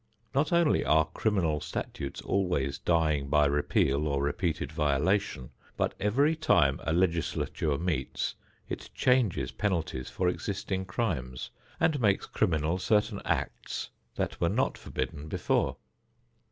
Not only are criminal statutes always dying by repeal or repeated violation, but every time a legislature meets, it changes penalties for existing crimes and makes criminal certain acts that were not forbidden before.